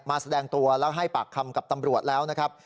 แสดงตัวแล้วให้ปากคำกับตำรวจแล้วนะครับ